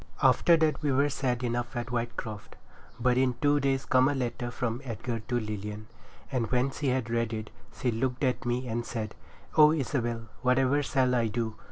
After that we were sad enough at Whitecroft. But in two days come a letter from Edgar to Lilian; and when she had read it, she looked at me and said, 'O Isabel, whatever shall I do?